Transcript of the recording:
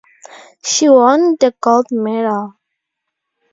She won the Gold Medal.